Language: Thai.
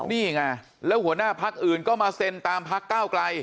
นี่ไงแล้วหัวหน้าพักอื่นก็มาเซ็นตามพักก้าวไกล